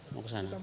mau ke sana